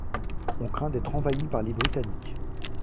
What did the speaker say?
On craint d'être envahis par les britanniques.